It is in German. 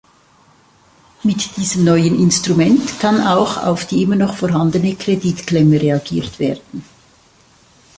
Mit diesem neuen Instrument kann auch auf die immer noch vorhandene Kreditklemme reagiert werden.